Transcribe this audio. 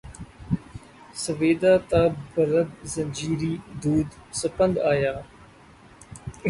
سویدا تا بلب زنجیری دود سپند آیا